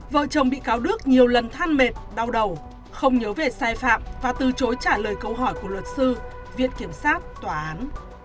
vợ chồng bị cáo đức nhiều lần than mệt đau đầu không nhớ về sai phạm và từ chối trả lời câu hỏi của luật sư viện kiểm sát tòa án